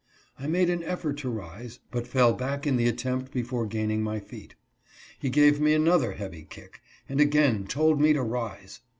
I made an effort to rise, but fell back in the attempt before gaining my feet. He gave me another heavy kick, and again told me to rise.